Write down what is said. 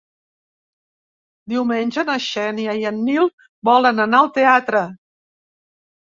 Diumenge na Xènia i en Nil volen anar al teatre.